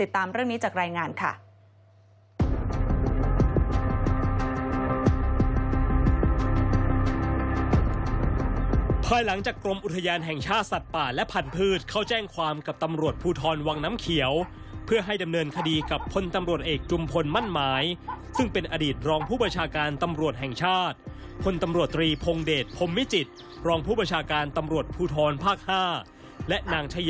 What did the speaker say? ตามเรื่องนี้จากรายงานค่ะ